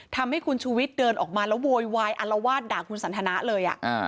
ทำให้คุณชูวิทย์เดินออกมาแล้วโวยวายอัลวาดด่าคุณสันทนะเลย